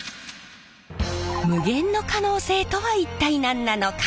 無限の可能性とは一体何なのか。